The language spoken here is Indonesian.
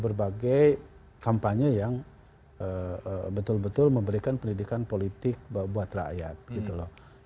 berbagai kampanye yang betul betul memberikan pendidikan politik buat rakyat gitu loh